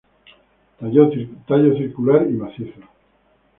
Tallo circular y macizo.